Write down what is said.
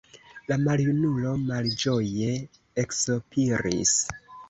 La maljunulo malĝoje eksopiris.